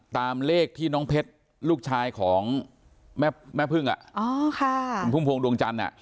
ตามเลขที่น้องเพชรลูกชายของแม่แม่พึ่งอ่ะอ๋อค่ะภูมิภวงดวงจันทร์น่ะ